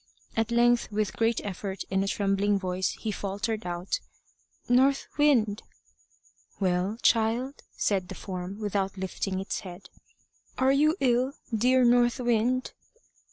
At length, with a great effort and a trembling voice, he faltered out "North Wind!" "Well, child?" said the form, without lifting its head. "Are you ill, dear North Wind?"